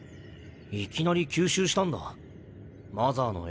いきなり吸収したんだマザーのエーテルを。